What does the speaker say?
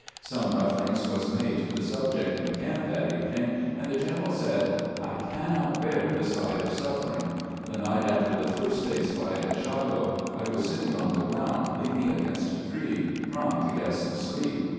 Some reference was made to the subject in camp that evening, and the gen eral said :" I cannot bear the sight of suffering. The night after the first day's fight at Shiloh I was sitting on the ground, leaning against a tree, trying to get some sleep.